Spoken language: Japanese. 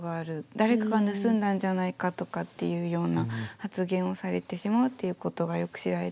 誰かが盗んだんじゃないかとかっていうような発言をされてしまうっていうことがよく知られているんですが。